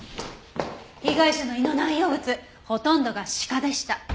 被害者の胃の内容物ほとんどが鹿でした。